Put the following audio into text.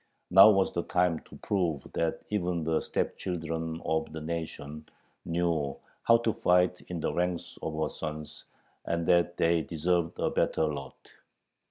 Now was the time to prove that even the stepchildren of the nation knew how to fight in the ranks of her sons, and that they deserved a better lot.